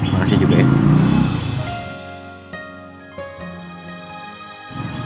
makasih juga ya